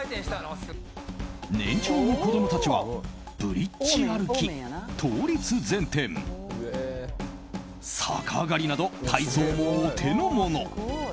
年長の子供たちは、ブリッジ歩き倒立前転、逆上がりなど体操もお手のもの。